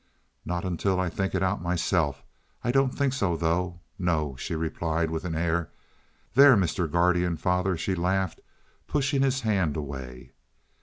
"Not until I think it out for myself. I don't think so, though. No," she replied, with an air. "There, Mr. Guardian Father," she laughed, pushing his hand away.